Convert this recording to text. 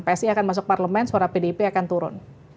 psi akan masuk parlemen suara pdip akan turun